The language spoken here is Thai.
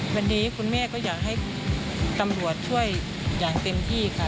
วันนี้คุณแม่ก็อยากให้ตำรวจช่วยอย่างเต็มที่ค่ะ